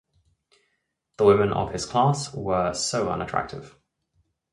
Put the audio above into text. The women of his class were so unattractive.